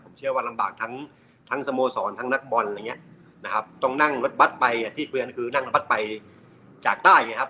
ผมเชื่อว่าลำบากทั้งทั้งสโมสรทั้งนักบอลอะไรอย่างเงี้ยนะครับต้องนั่งรถบัตรไปอ่ะที่เกวียนคือนั่งรถบัตรไปจากใต้ไงครับ